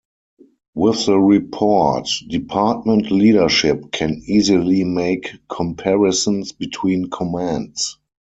With the report, department leadership can easily make comparisons between commands.